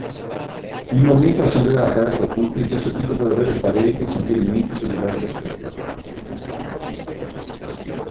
Il momento assemblea aperto a tutti ci è servito per avere pareri e suggerimenti su diversi aspetti.